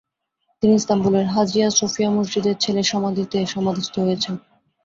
তিনি ইস্তাম্বুলের হাজিয়া সোফিয়া মসজিদে ছেলের সমাধিতে সমাধিস্থ হয়েছেন।